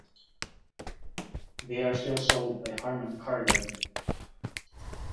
They are still sold by Harman Kardon.